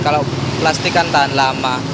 kalau plastik kan tahan lama